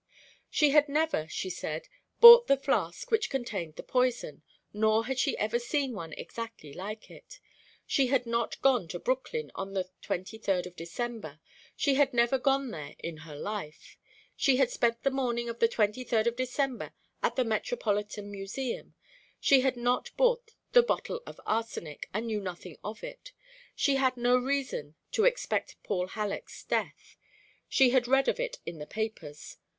She had never, she said, bought the flask which contained the poison, nor had she ever seen one exactly like it. She had not gone to Brooklyn on the twenty third of December she had never gone there in her life. She had spent the morning of the twenty third of December at the Metropolitan Museum. She had not bought the bottle of arsenic, and knew nothing of it. She had no reason to expect Paul Halleck's death. She had read of it in the papers.